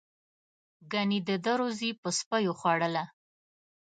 گني د ده روزي به سپیو خوړله.